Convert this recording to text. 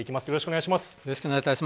よろしくお願いします。